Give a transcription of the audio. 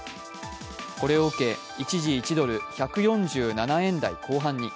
これを受け、一時１ドル＝１４７円台後半に。